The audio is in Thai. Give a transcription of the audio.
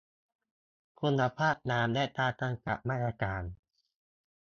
คุณภาพน้ำ และการกำกับมาตรฐาน